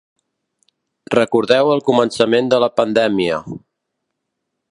Recordeu el començament de la pandèmia.